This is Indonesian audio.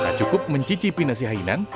tak cukup mencicipi nasi hainan